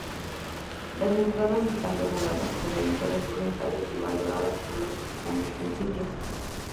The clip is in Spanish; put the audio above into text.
Las entradas están reguladas por editores voluntarios y valoradas por los visitantes del sitio.